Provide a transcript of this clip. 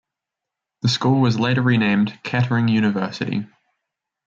This school was later renamed Kettering University.